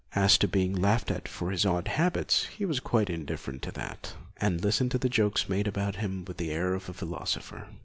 As to being laughed at for his odd habits, he was quite indifferent to that, and listened to the jokes made about him with the air of a philosopher.